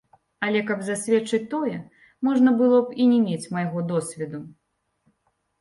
Але, каб засведчыць тое, можна было б і не мець майго досведу.